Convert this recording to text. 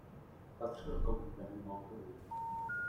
Patřil k oblíbeným autorům.